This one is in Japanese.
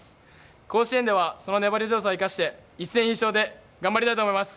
甲子園ではその粘り強さを生かして一戦必勝で頑張りたいと思います。